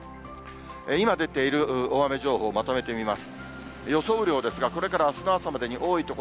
今出ている大雨情報をまとめてみます。